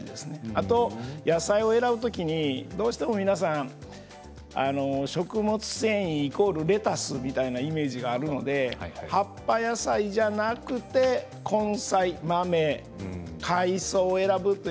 あと野菜を選ぶ時にどうしても皆さん食物繊維＝レタスみたいなイメージがあるので葉っぱ野菜じゃなくて根菜豆海藻を選ぶという習慣がすごい大事ですね。